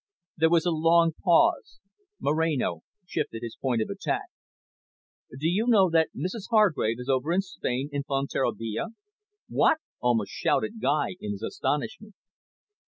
There was a long pause. Moreno shifted his point of attack. "Do you know that Mrs Hargrave is over in Spain, in Fonterrabia?" "What!" almost shouted Guy in his astonishment.